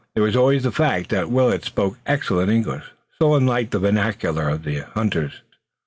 There was always the fact that Willet spoke excellent English, so unlike the vernacular of the hunters.